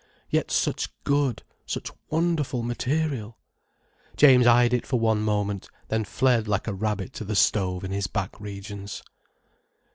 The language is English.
Yet such good, such wonderful material! James eyed it for one moment, and then fled like a rabbit to the stove in his back regions.